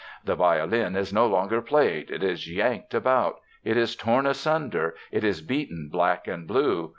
"The violin is no longer played. It is yanked about. It is torn asunder. It is beaten black and blue.